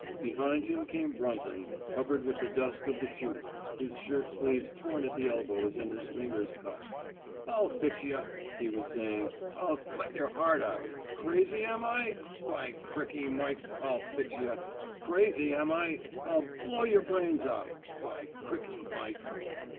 Behind him came Brunton, covered with the diist of the chute, his shirt sleeves torn at the elbows and his fingers cut. 1*11 fix yuh,*' he was saying. I'll cut yer heart out. Crazy am I? By Crikey Mike, 1*11 fix yuh. Crazy am I? 1*11 blow yer brains out. By Crikey Mike!